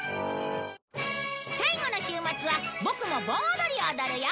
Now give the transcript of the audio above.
最後の週末はボクも盆踊りを踊るよ！